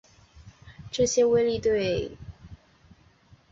这些微粒对太空风化过程起到了主要作用。